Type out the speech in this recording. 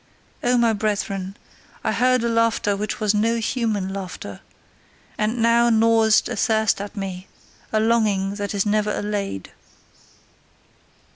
O my brethren, I heard a laughter which was no human laughter, and now gnaweth a thirst at me, a longing that is never allayed.